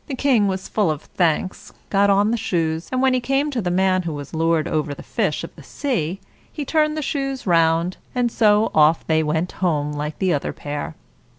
The King was full of thanks, got on the shoes, and when he came to the man who was lord over the fish of the sea, he turned the toes round, and so off they went home like the other pair.